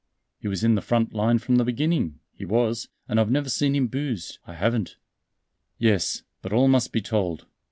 He was in the front line from the beginning, he was, and I've never seen him boozed, I haven't." "Yes, but all must be told.